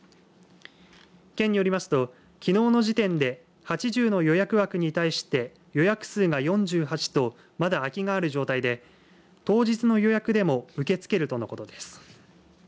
県によりますと、きのうの時点で８０の予約枠に対して予約数が４８とまだ空きがある状態で当日の予約でも受け付けるとのことです。